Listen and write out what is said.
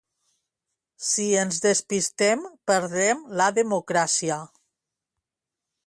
Si ens despistem, perdre'm la democràcia.